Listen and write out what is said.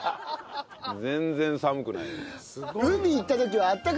全然寒くない。